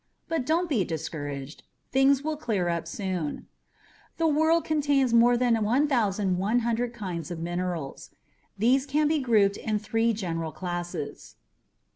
But don't be discouraged. Things will clear up soon. The world contains more than 1,100 kinds of minerals. These can be grouped in three general classes.